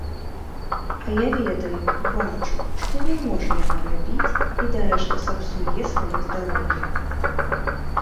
А я ведаю, бачу, што не можа яна рабіць і дарэшты сапсуе сваё здароўе.